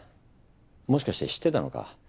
もしかして知ってたのか？